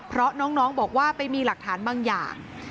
เพราะน้องบอกว่าไปมีหลักฐานบางอย่าง